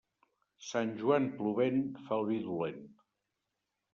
Sant Joan plovent fa el vi dolent.